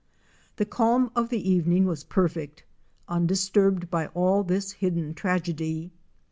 The calm of the evening was perfect, undisturbed by all this hidden tragedy.